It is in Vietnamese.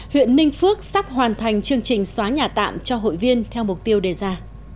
huyện ninh phước sắp hoàn thành chương trình xóa nhà tạm cho hội viên theo mục tiêu đề ra